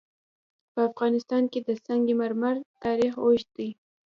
په افغانستان کې د سنگ مرمر تاریخ اوږد دی.